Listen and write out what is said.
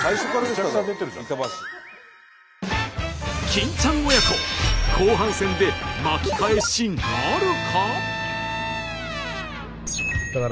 金ちゃん親子後半戦で巻き返しなるか？